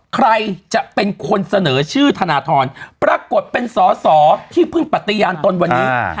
ใครจะเป็นคนเสนอชื่อธนทรปรากฏเป็นสอสอที่เพิ่งปฏิญาณตนวันนี้